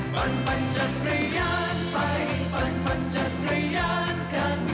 ปันปันจักรยานไปปันปันจักรยานกัน